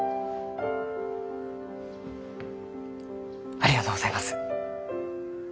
ありがとうございます。